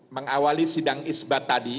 mengawali sidang isbat tadi